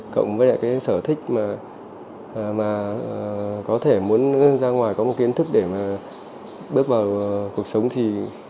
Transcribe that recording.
cộng với lại cái sở thích mà có thể muốn ra ngoài có một kiến thức để mà bước vào cuộc sống thì